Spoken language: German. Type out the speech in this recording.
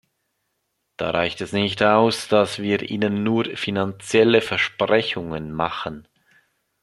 Da reicht es nicht aus, dass wir ihnen nur finanzielle Versprechungen machen.